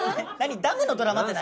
ダムのドラマって何？